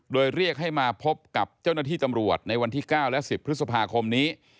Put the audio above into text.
โดยเรียกให้มาพบกับเจ้าหน้าที่ตำรวจในวันที่๙และ๑๐พฤษภาคมนี้